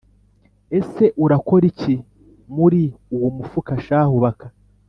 ese urakora iki muri uwo mufuka shahu baka?”